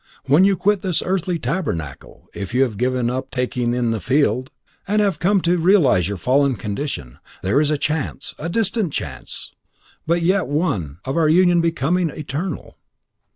When you quit this earthly tabernacle, if you have given up taking in the Field, and have come to realise your fallen condition, there is a chance a distant chance but yet one of our union becoming eternal."